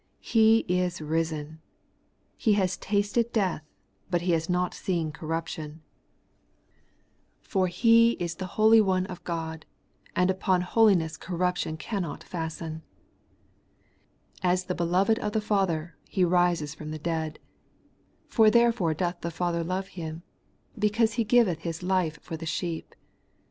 He is risen ! He has tasted death, but He has not seen corruption; for He is the Holy One of 134 Tlie Everlasting Bighteovsness, God, and upon holiness corruption cannot fasten. As the beloved of the Father, He rises from the dead ; for therefore doth the Father love Him, because He giveth His life for the sheep.